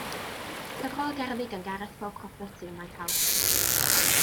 Cyfrol o gerddi gan Gareth Ffowc Roberts yw Mae Pawb yn Cyfrif.